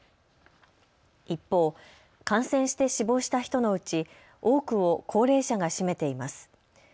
一方、感染して死亡した人のうち多くを高齢者が占めています。